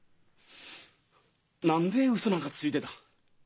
何でウソなんかついてた？